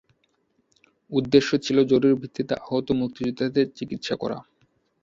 উদ্দেশ্য ছিল জরুরী ভিত্তিতে আহত মুক্তিযোদ্ধাদের চিকিৎসা করা।